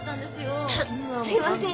すいません。